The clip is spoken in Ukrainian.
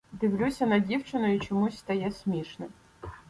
Дивлюся на дівчину, і чомусь стає смішно.